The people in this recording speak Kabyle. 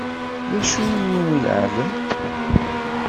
D acu iwumi neɛlem?